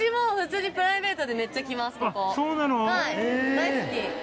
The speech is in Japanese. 大好き。